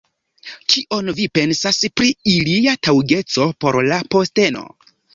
Kion vi pensas pri ilia taŭgeco por la posteno?